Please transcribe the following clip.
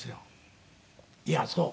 いやそう。